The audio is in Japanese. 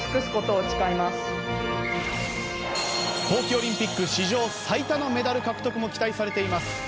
冬季オリンピック史上最多のメダル獲得も期待されています